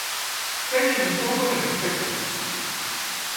Teñan un pouco de respecto.